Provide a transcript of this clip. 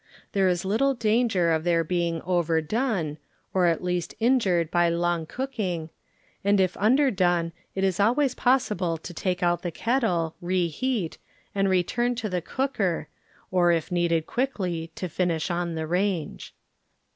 There is little dan^r of their being overdone, or at least in jured by long cooking, and if under done it is always possible to take out the kettle, reheat, and return to the cooker, or if needed quickly, to finish on the range.